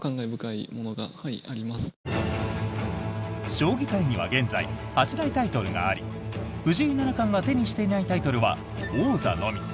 将棋界には現在八大タイトルがあり藤井七冠が手にしていないタイトルは王座のみ。